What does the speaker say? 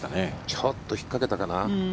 ちょっと引っかけたかな。